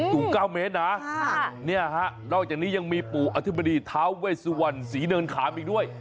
ถูก๙เมตรนะนอกจากนี้ยังมีปู่อธิบดีท้าเวสวรสีเนินขามอีกด้วย